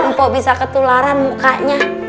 upo bisa ketularan mukanya